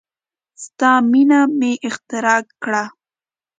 ستا مینه مې اختراع کړه